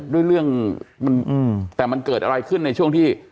ด้วยเรื่องมันแต่มันเกิดอะไรขึ้นในช่วงที่